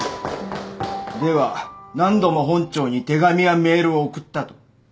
では何度も本庁に手紙やメールを送ったと？